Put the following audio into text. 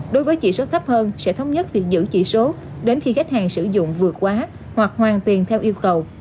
đối với chỉ số thấp hơn sẽ thống nhất việc giữ chỉ số đến khi khách hàng sử dụng vượt quá hoặc hoàn tiền theo yêu cầu